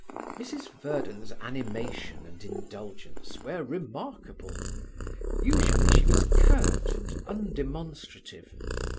Mrs Verden's animation and indulgence were remarkable. Usually she was curt and undemonstrative.